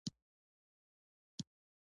له همده سره روان شوم.